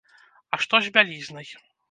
А што з бялізнай?